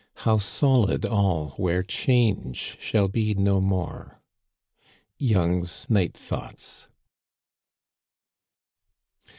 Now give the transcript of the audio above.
How solid all where diange shall be no more I Young's Night Thoughts.